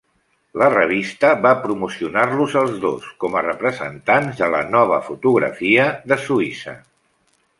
La revista va promocionar-los als dos com a representants de la 'nova fotografia' de Suïssa.